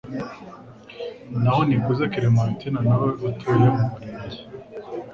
Naho NIKUZE Clementine nawe utuye mu murenge